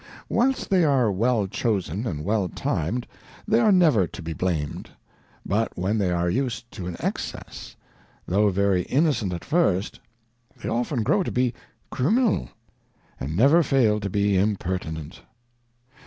Whilst they are well chosen and well timed, they are never to be blamed ; but when they are used to an Excess, though very Innocent at first, they often grow to be Criminal, and never fail to be Impertinent.